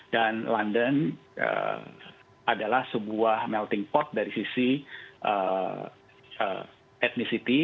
dan london adalah sebuah melting pot dari sisi etnisiti